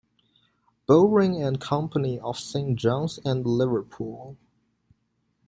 Bowring and Company of Saint John's and Liverpool.